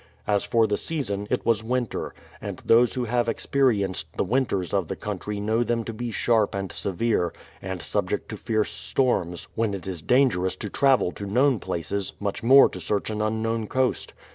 As for the season, it was winter, and those who have experienced the winters of the country know them to be sharp and severe, and subject to fierce storms, when it is dangerous to travel to known places, — much more to search an unknown coast.